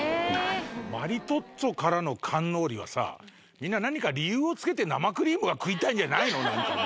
マリトッツォからのカンノーリはみんな何か理由をつけて生クリームが食いたいんじゃないの？